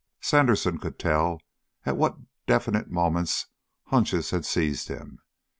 Sandersen could tell at what definite moments hunches had seized him.